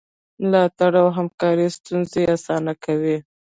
ملاتړ او همکاري ستونزې اسانه کوي.